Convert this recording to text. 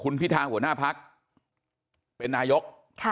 คุณพิธาหัวหน้าพักเป็นนายก